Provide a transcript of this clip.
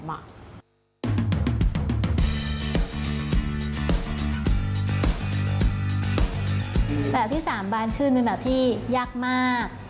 แบบที่๓บานชื่นเป็นแบบที่ยากมาก